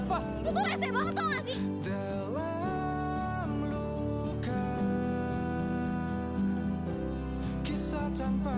tolong lemparkan kehidupan